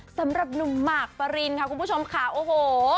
สำหรับหนุ่มหมากปรินค่ะคุณผู้ชมค่ะโอ้โห